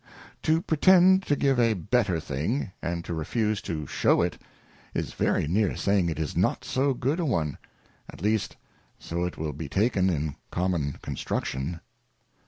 To pretend to give a better thing, and to refuse to shew it, is very near saying it is not so good a one ; at least so it will be taken in common construction.